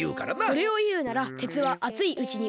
それをいうなら「てつはあついうちにうて」でしょ。